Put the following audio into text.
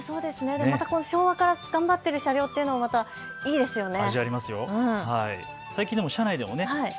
昭和から頑張っている車両というのがいいですね。